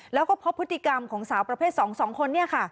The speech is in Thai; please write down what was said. แล้วก็พบพฤติกรรมของสาวประเภท๒๒คน